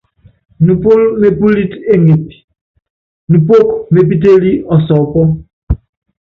Nupɔ́l mepúlít éŋep, nupɔ́k mepítélí ɔsɔɔpɔ.